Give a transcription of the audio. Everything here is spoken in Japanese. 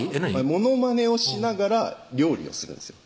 モノマネをしながら料理をするんですよ